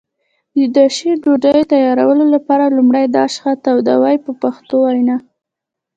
د داشي ډوډۍ تیارولو لپاره لومړی داش ښه تودوي په پښتو وینا.